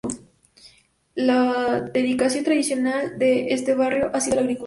La dedicación tradicional de este barrio ha sido la agricultura.